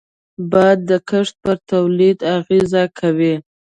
باد د کښت پر تولید اغېز کوي